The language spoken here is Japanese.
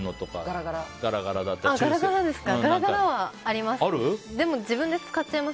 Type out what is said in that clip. ガラガラはあります。